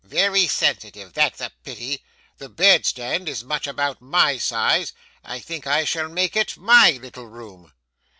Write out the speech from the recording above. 'Very sensitive; that's a pity. The bedstead is much about my size. I think I shall make it MY little room.